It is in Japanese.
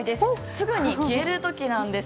すぐに消える時なんです。